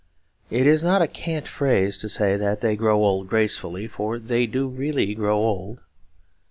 It is not a cant phrase to say that they grow old gracefully; for they do really grow old.